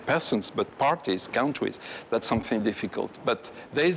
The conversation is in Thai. และมันไม่แก่ความคิดถูกต้องค่ะแต่ความคิดค่ะที่นี่เป็นการตก